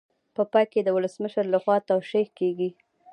په پای کې د ولسمشر لخوا توشیح کیږي.